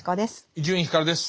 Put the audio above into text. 伊集院光です。